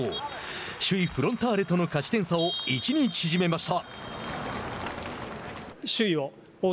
首位フロンターレとの勝ち点差を１に縮めました。